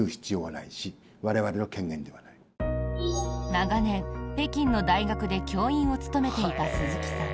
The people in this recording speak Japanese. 長年、北京の大学で教員を務めていた鈴木さん。